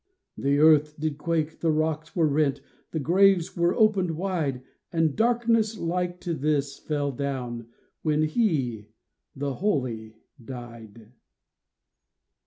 '' The earth did quake, the rocks were rent, The graves were opened wide, And darkness like to this fell down When He— the Holy— died.